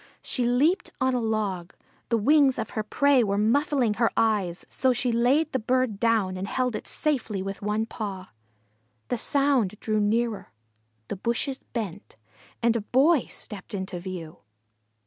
She leaped on a log. The wings of her prey were muffling her eyes, so she laid the bird down and held it safely with one paw. The sound drew nearer, the bushes bent, and a Boy stepped into view.